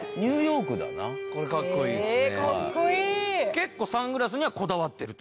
結構サングラスにはこだわってると。